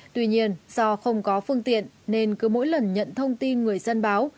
tuy nhiên do không có phương tiện nên cứ mỗi lần nhận thông tin người dân báo